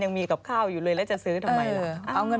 เอิมซ์จากคุณปิดเจอหรือเปลี่ยน